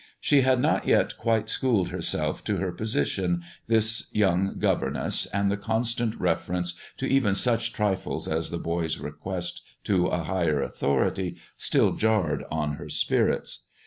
She had not yet quite schooled herself to her position, this young governess, and the constant reference of even such trifles as the boy's request to a higher authority still jarred on her spirits.